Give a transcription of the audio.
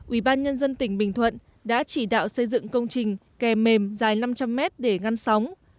ubnd tỉnh bình thuận đã chỉ đạo xây dựng công trình kè mềm dài năm trăm linh mét để ngăn sóng